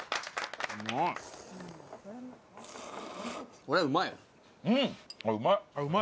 これうまい。